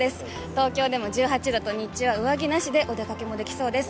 東京でも１８度と、日中は上着なしで、お出かけもできそうです。